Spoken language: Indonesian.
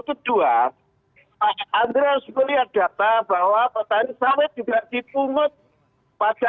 kedua pak andre harus melihat data bahwa petani sawit juga dipungut pada